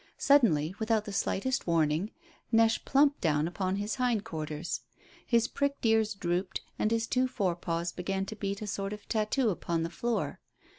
Suddenly, without the slightest warning, Neche plumped down upon his hind quarters. His pricked ears drooped, and his two fore paws began to beat a sort of tattoo upon the floor.